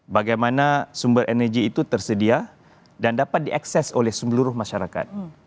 bagaimana sumber energi itu tersedia dan dapat diakses oleh seluruh masyarakat